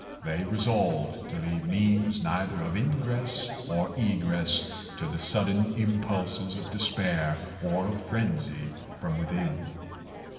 They resolved to leave means neither of ingress or egress to the sudden impulses of despair or of frenzy from within.